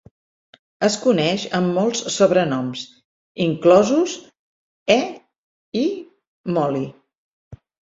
Es coneix amb molts sobrenoms, inclosos "e" i "Molly".